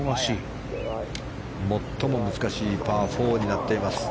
最も難しいパー４になっています